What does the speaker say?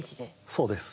そうです。